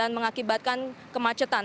dan mengakibatkan kemacetan